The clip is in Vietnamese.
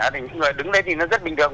những người đứng đấy thì nó rất bình đường